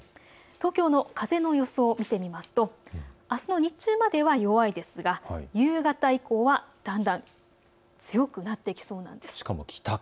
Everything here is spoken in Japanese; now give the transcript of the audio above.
東京の風の予想を見てみますとあすの日中までは弱いですが、夕方以降はだんだん強くなってきそうなんです。